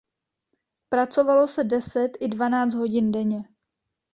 Pracovalo se deset i dvanáct hodin denně.